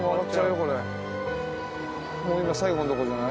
これもう今最後のとこじゃない？